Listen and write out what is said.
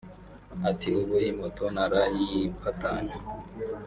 Ati “Ubu iyi moto narayipatanye